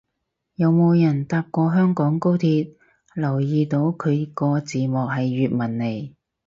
有冇人搭過香港高鐵留意到佢個字幕係粵文嚟